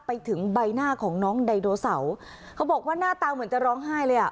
ไปถึงใบหน้าของน้องไดโนเสาร์เขาบอกว่าหน้าตาเหมือนจะร้องไห้เลยอ่ะ